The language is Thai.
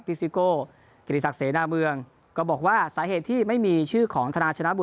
ซิโก้กิติศักดิ์เสนาเมืองก็บอกว่าสาเหตุที่ไม่มีชื่อของธนาชนะบุ